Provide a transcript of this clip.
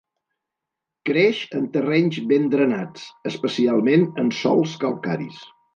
Creix en terrenys ben drenats especialment en sòls calcaris.